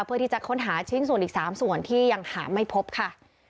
เพื่อที่จะค้นหาชิ้นส่วนอีก๓ส่วนที่ยังหาไม่พบค่ะ